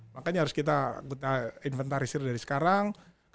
makanya harus kita inventarisir dari sekarang